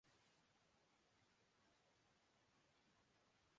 وہ تو قاہد اعظم کو بھی نہیں جانتا